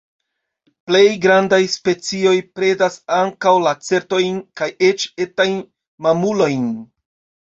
Plej grandaj specioj predas ankaŭ lacertojn kaj eĉ etajn mamulojn.